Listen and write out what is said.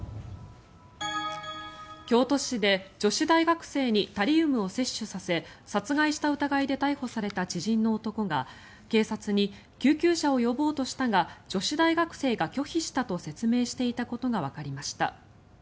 京都市で女子大学生にタリウムを摂取させ殺害した疑いで逮捕された知人の男が警察に、救急車を呼ぼうとしたが女子大学生が拒否したと説明していたことがわかりました。